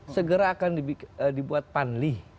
segera akan dibuat panli